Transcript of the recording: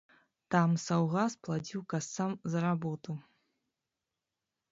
Там саўгас плаціў касцам за работу.